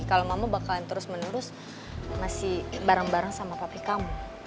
kalau mama bakal terus menerus masih bareng bareng sama pabrik kamu